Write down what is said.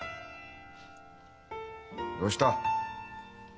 どうした？